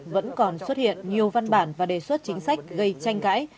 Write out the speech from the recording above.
vẫn còn xuất hiện nhiều văn bản và đề xuất chính sách gây tranh cãi